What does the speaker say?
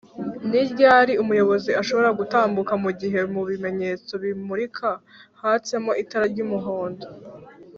ni ryari umuyobozi ashobora gutambuka mugihe mubimenyetso bimurika hatsemo itara ry’umuhondo?